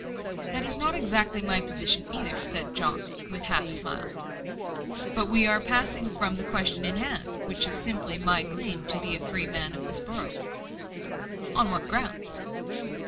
"That is not exactly my position either," said John, with a half smile. "But we are passing from the question in hand, which is simply my claim to be a freeman of this borough." "On what grounds?"